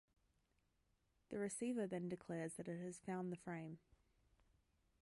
The receiver then declares that it has found the frame.